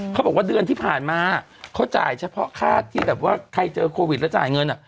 เขาบอกว่าเดือนที่ผ่านมาเขาจ่ายเฉพาะค่าที่แบบว่าใครเจอโควิดแล้วจ่ายเงิน